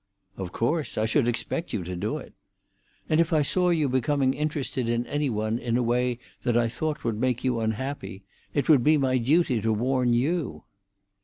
"Of course; I should expect you to do it." "And if I saw you becoming interested in any one in a way that I thought would make you unhappy, it would be my duty to warn you."